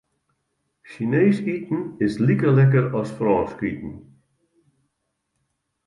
Sjineesk iten is like lekker as Frânsk iten.